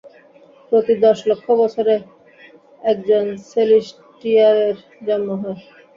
প্রতি দশ লক্ষ বছরে একজন সেলেস্টিয়ালের জন্ম হয়।